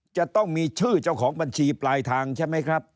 จะต้องมีชื่อเจ้าของบัญชีปลายทางใช่ไหมครับ